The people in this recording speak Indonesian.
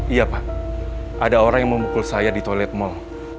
iya pak ada orang yang memukul saya di toilet mall